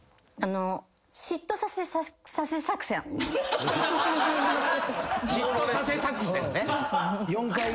「嫉妬させ作戦」ね。